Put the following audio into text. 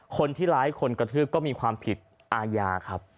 คนที่ร้ายคนกระทืบก็มีความผิดอาญาครับ